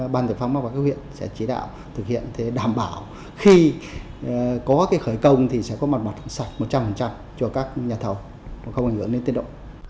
ban giải phóng mặt bằng các huyện sẽ chỉ đạo thực hiện để đảm bảo khi có cái khởi công thì sẽ có mặt bằng sạch một trăm linh cho các nhà thầu không ảnh hưởng đến tiến độ